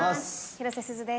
広瀬すずです。